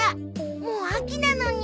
「もうあきなのに」